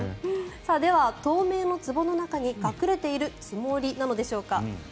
では、透明のつぼの中に隠れているつもりなのでしょうか。